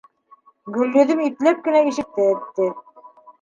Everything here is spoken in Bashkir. Гөлйөҙөм ипләп кенә ишекте этте.